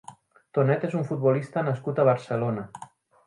Tonet és un futbolista nascut a Barcelona.